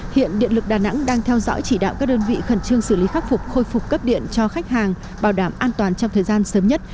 hiện điện lực đà nẵng đang theo dõi chỉ đạo các đơn vị khẩn trương xử lý khắc phục khôi phục cấp điện cho khách hàng bảo đảm an toàn trong thời gian sớm nhất